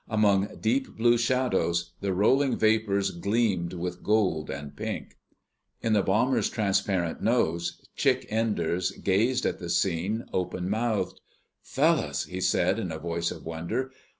Among deep blue shadows the rolling vapors gleamed with gold and pink. In the bomber's transparent nose, Chick Enders gazed at the scene, open mouthed. "Fellows," he said in a voice of wonder.